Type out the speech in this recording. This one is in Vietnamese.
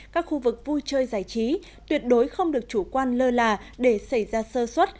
các khu vực vui chơi giải trí tuyệt đối không được chủ quan lơ là để xảy ra sơ xuất